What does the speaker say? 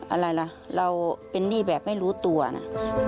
อะไรล่ะเราเป็นหนี้แบบไม่รู้ตัวนะ